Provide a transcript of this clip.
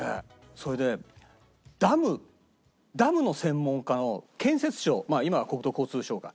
それねダムダムの専門家の建設省今は国土交通省か。